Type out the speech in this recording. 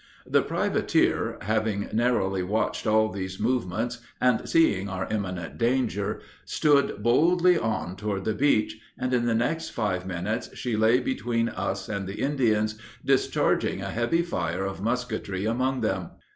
The privateer having narrowly watched all these movements, and seeing our imminent danger, stood boldly on toward the beach, and in the next five minutes she lay between us and the Indians, discharging a heavy fire of musketry among them.